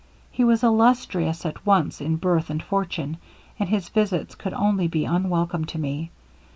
He was illustrious at once in birth and fortune, and his visits could only be unwelcome to me.